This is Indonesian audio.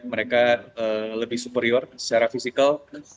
mereka lebih superior secara fisikal